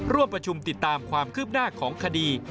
ร่วมประชุมติดตามความคืบหน้าของคดี